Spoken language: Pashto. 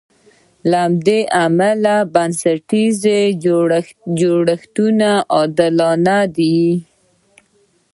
له دې امله بنسټیز جوړښتونه عادلانه دي.